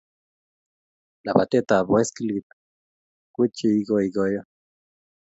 lapatetap ap boskilit ko cheikoikoyo